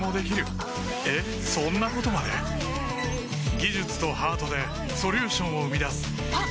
技術とハートでソリューションを生み出すあっ！